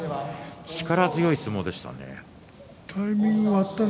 力強い相撲でしたね。